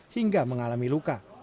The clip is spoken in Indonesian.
hingga mengalami luka